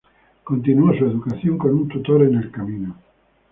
Continuó su educación con un tutor en el camino.